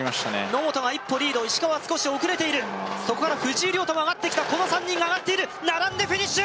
野本が一歩リード石川は少し遅れているそこから藤井亮汰が上がってきたこの３人が上がっている並んでフィニッシュ